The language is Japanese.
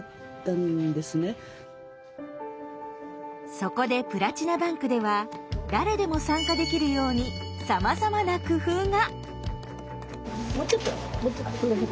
そこで「プラチナバンク」では誰でも参加できるようにさまざまな工夫が。